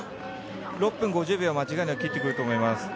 ６分５０秒は間違いなく切ってくると思います。